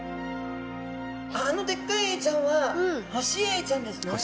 あのでっかいエイちゃんはホシエイちゃんですね。